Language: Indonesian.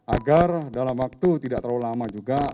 agar dalam waktu tidak terlalu lama juga